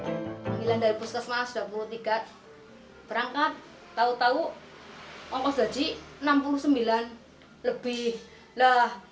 panggilan dari puskesmas dua puluh tiga berangkat tau tau ngokos haji rp enam puluh sembilan lebih